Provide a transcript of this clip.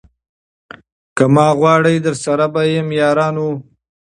که ما غواړی درسره به یم یارانو